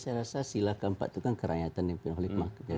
ya saya rasa silakan pak itu kan kerangka berpikir pikir